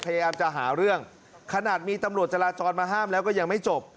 พยายามจะหาเรื่องขนาดมีตำรวจจราจรมาห้ามแล้วก็ยังไม่จบ